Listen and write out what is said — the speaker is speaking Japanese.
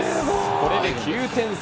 これで９点差。